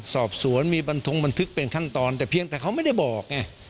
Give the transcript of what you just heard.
สอบสวนมีบันทงบันทึกเป็นขั้นตอนแต่เพียงแต่เขาไม่ได้บอกไง